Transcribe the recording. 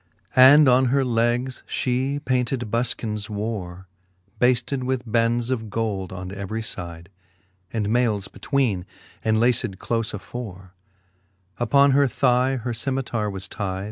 And on her legs fhe painted bulkins wore, Bafted with bends of gold on every fide, And mailes betweene, and laced clofe afore : Uppon her thigh her Cemitare was tide